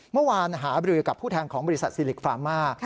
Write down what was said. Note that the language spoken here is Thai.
เมื่อวานหาบรือกับผู้แทนของบริษัทซิลิกฟามา